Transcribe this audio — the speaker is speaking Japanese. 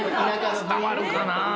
伝わるかな？